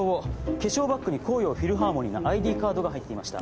化粧バッグに甲陽フィルハーモニーのＩＤカードが入ってました。